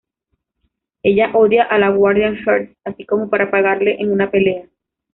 Ella odia a la "Guardian Hearts", así como para pagarle en una pelea.